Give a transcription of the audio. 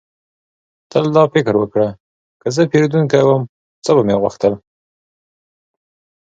تل دا فکر وکړه: که زه پیرودونکی وم، څه به مې غوښتل؟